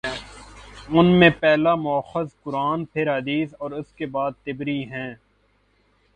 ان میں پہلا ماخذ قرآن، پھر حدیث اور اس کے بعد طبری ہیں۔